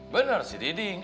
bener sih diding